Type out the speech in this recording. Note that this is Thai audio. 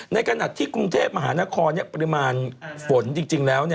ในขณะที่กรุงเทพมหานครปริมาณฝนจริงแล้ว